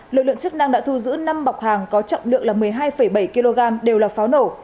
lực lượng chức năng đã thu giữ năm bọc hàng có trọng lượng là một mươi hai bảy kg đều là pháo nổ